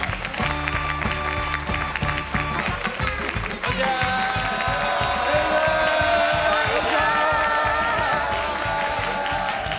こんにちは！